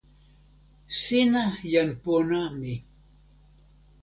sina jan pona mi.